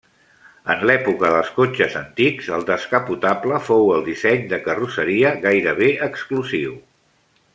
En l'època dels cotxes antics, el descapotable fou el disseny de carrosseria gairebé exclusiu.